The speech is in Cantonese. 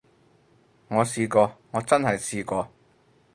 我試過，我真係試過